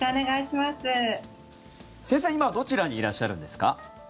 先生、今どちらにいらっしゃるんですか？